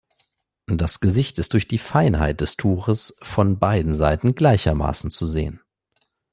Das Gesicht ist durch die Feinheit des Tuches von beiden Seiten gleichermaßen zu sehen.